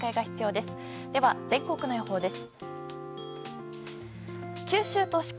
では全国の予報です。